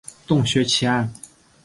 洞穴奇案。